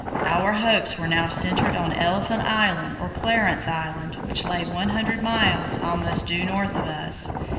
Our hopes were now centred on Elephant Island or Clarence Island, which lay 100 miles almost due north of us.